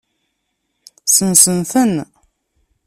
Sensen-ten.